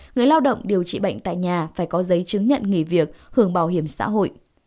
người lao động điều trị bệnh tại nhà phải có giấy chứng nhận nghỉ việc hưởng bảo hiểm xã hội